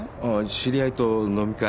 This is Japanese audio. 知り合いと飲み会。